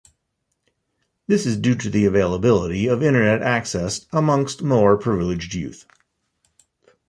This is due to the availability of internet access amongst more privileged youth.